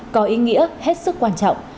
có ý nghĩa hết sức quan trọng